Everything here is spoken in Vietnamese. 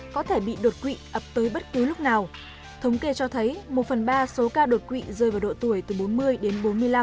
có thể bị đột quỵ ập tới bất cứ lúc nào thống kê cho thấy một phần ba số ca đột quỵ rơi vào độ tuổi từ bốn mươi đến bốn mươi năm